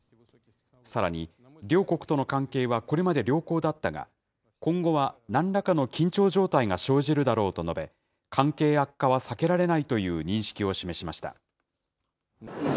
さらに、両国との関係はこれまで良好だったが、今後はなんらかの緊張状態が生じるだろうと述べ、関係悪化は避けられないという認識を示しました。